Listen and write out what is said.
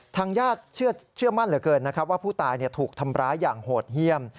ทางญาติเชื่อมั่นเหลือเกินนะครับว่าผู้ตายถูกทำร้ายอย่างโหดเยี่ยม